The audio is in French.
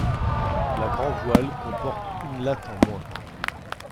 La grand-voile comporte une latte en moins.